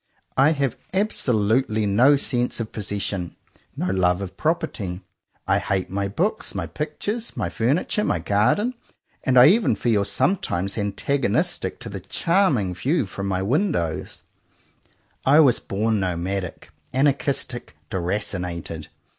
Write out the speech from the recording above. I have absolutely no sense of possession, no love of property. I hate my books, my pictures, my furniture, my garden; and I even feel sometimes antagonistic to the charming view from my windows, I was born nomadic, anarchistic, deracinated.